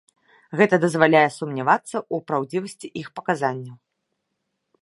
Гэта дазваляе сумнявацца ў праўдзівасці іх паказанняў.